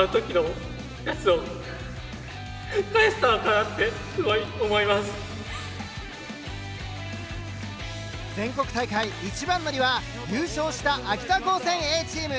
やはり全国大会一番乗りは優勝した秋田高専Ａチーム。